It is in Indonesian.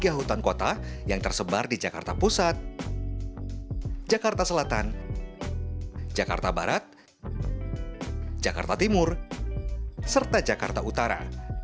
di antaranya dua puluh lima taman kota dan tiga hutan kota yang tersebar di jakarta pusat jakarta selatan jakarta barat jakarta timur serta jakarta utara